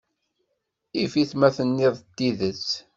Yif-it ma tenniḍ-d tidet.